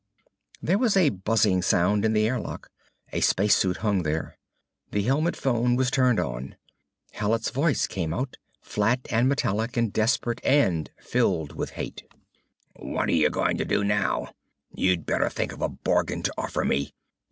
There was a buzzing sound in the airlock. A space suit hung there. The helmet phone was turned on. Hallet's voice came out, flat and metallic and desperate and filled with hate: "_What're you going to do now? You'd better think of a bargain to offer me!